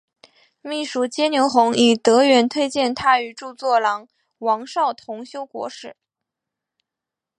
秘书监牛弘以德源推荐他与着作郎王邵同修国史。